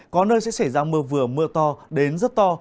có nơi sẽ xảy ra mưa vừa mưa to đến rất to